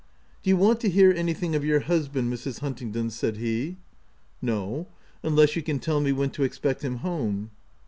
" Do you want to hear anything of your hus band, Mrs, Huntingdon ?" said he. a No, unless you can tell me when to expect him home."